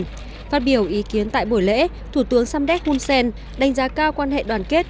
phát biểu ý kiến tại buổi lễ thủ tướng samdet hunsen đánh giá cao quan hệ đoàn kết